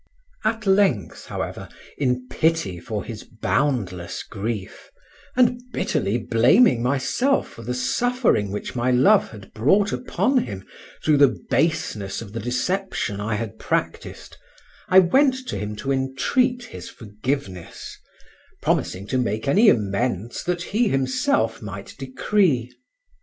At length, however, in pity for his boundless grief, and bitterly blaming myself for the suffering which my love had brought upon him through the baseness of the deception I had practiced, I went to him to entreat his forgiveness, promising to make any amends that he himself might decree.